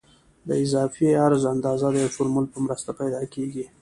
د اضافي عرض اندازه د یو فورمول په مرسته پیدا کیږي